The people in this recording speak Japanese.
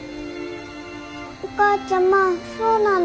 お母ちゃまそうなの？